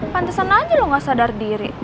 pantesan aja loh gak sadar diri